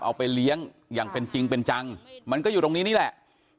เอาไปเลี้ยงอย่างเป็นจริงเป็นจังมันก็อยู่ตรงนี้นี่แหละ